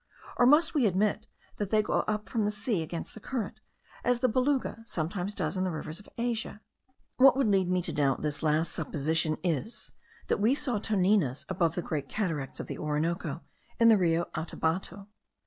or must we admit that they go up from the sea against the current, as the beluga sometimes does in the rivers of Asia? What would lead me to doubt this last supposition is, that we saw toninas above the great cataracts of the Orinoco, in the Rio Atabapo.